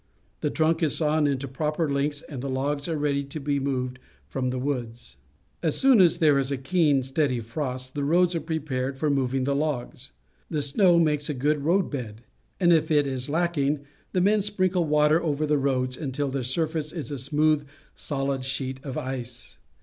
The trunk is sawn into proper lengths, and the logs are ready to be moved from the woods. As soon as there is keen, steady frost, the roads are prepared for moving the logs. The snow makes a good roadbed, and if it is' lacking, the men sprinkle water over the roatls until their surface is a smooth, solid sheet of ice.